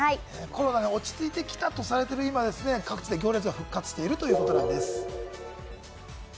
コロナが落ち着いてきたとされる今、各地では行列が復活してきているということなんです。